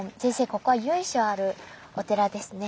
ここは由緒あるお寺ですね？